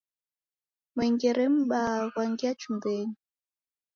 Mwengere mbaha ghwangia chumbenyi.